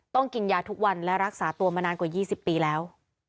ต้องกินยาทุกวันและรักษาตัวมานานกว่ายี่สิบปีแล้ว